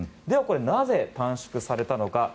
では、なぜ短縮されたのか。